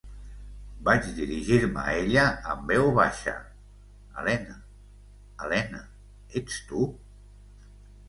Vaig dirigir-me a ella amb veu baixa, Elena, Elena, ets tu?